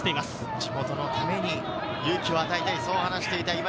地元のために勇気を与えたいと話していた今井。